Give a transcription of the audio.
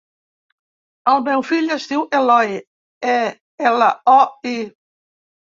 El meu fill es diu Eloi: e, ela, o, i.